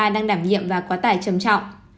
đang đảm nhiệm và quá tải trầm trọng